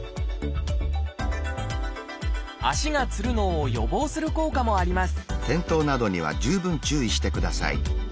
足がつるのを予防する効果もあります